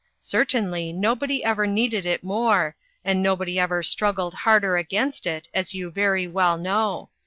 Certainly nobody ever needed it more, and nobody ever struggled harder against it, as you very well know.